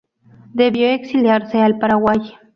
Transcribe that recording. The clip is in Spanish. Debió exiliarse al Paraguay.